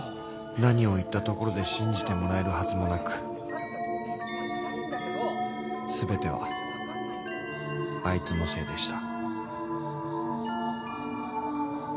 ［何を言ったところで信じてもらえるはずもなく全てはあいつのせいでした］